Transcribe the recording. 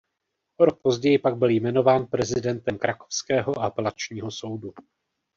O rok později pak byl jmenován prezidentem krakovského apelačního soudu.